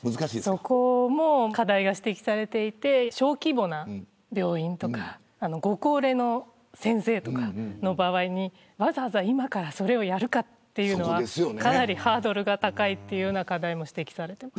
そこも課題が指摘されていて小規模な病院とかご高齢の先生はわざわざ今からそれをやるのはかなりハードルが高いという課題も指摘されています。